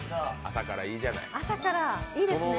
朝から、いいですね。